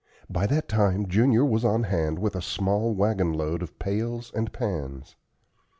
By that time Junior was on hand with a small wagon load of pails and pans.